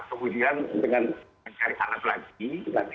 kemudian dengan mencari alat lagi